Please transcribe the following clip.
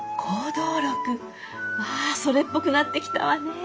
わあそれっぽくなってきたわね。